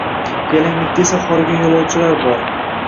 Yalanglikda esa horigan yo’lovchilar bor.